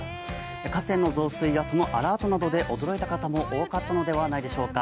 河川の増水や、そのアラートなどで驚いた方も多かったのではないでしょうか。